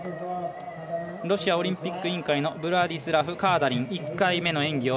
ロシアオリンピック委員会のブラディスラフ・カーダリン。